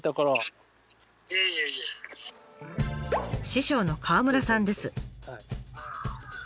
師匠の川村さんです。